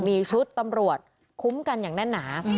มีชุดตำรวจคุ้มกันอย่างแน่นหนา